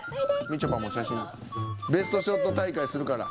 みちょぱも写真ベストショット大会するから。